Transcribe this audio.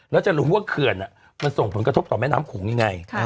แล้วจะรู้ว่าเขื่อนมันส่งผลกระทบต่อแม่น้ำโขงยังไง